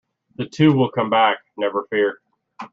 The two will come back, never fear.